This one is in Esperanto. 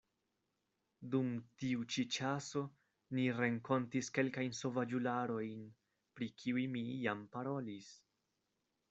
Dum tiu-ĉi ĉaso ni renkontis kelkajn sovaĝularojn, pri kiuj mi jam parolis.